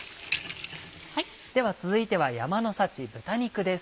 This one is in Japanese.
では続いては山の幸豚肉です。